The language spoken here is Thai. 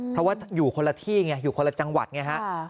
เพราะว่าอยู่คนละที่ไงอยู่คนละจังหวัดไงฮะ